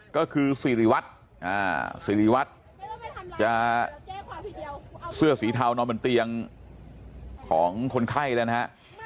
ก็คือสิริวัตรสิริวัตรจะเสื้อสีเทานอนบนเตียงของคนไข้แล้วนะฮะ